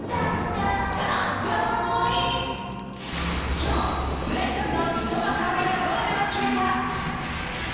きょう、ブライトンの三笘薫がゴールを決めた。